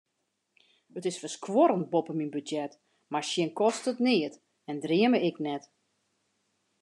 It is ferskuorrend boppe myn budzjet, mar sjen kostet neat en dreame ek net.